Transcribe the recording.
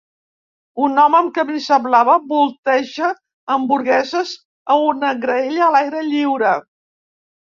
un home amb camisa blava volteja hamburgueses a una graella a l'aire lliure.